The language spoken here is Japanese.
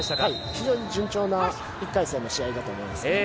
非常に順調な１回戦の試合だと思います。